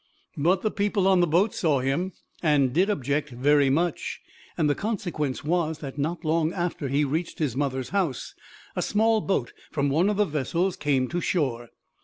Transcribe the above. But the people on the boats saw him, and did object very much; and the consequence was, that, not long after he reached his mother's house, a small boat from one of the vessels came to shore.